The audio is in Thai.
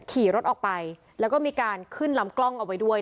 ขี่รถออกไปแล้วก็มีการขึ้นลำกล้องเอาไว้ด้วย